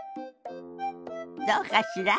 どうかしら？